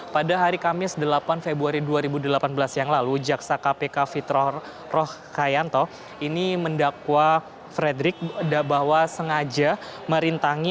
pada hari kamis delapan februari dua ribu delapan belas yang lalu jaksa kpk fitrah roh kayanto ini mendakwa fredrik bahwa sengaja merintangi